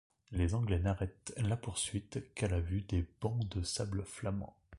Les Anglais n'arrêtent la poursuite qu'à la vue des bancs de sable flamands.